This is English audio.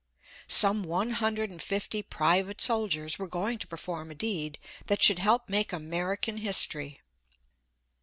Some one hundred and fifty private soldiers were going to perform a deed that should help make American history.